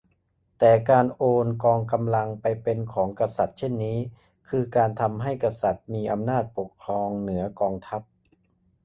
แต่การโอนกองกำลังไปเป็นของกษัตริย์เช่นนี้ คือการทำให้กษัตริย์มีอำนาจปกครองเหนือกองทัพ